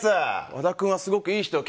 和田君はすごくいい人よ。